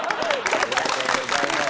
ありがとうございます。